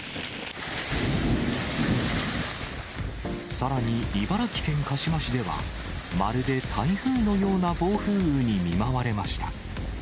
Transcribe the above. さらに茨城県鹿嶋市では、まるで台風のような暴風雨に見舞われました。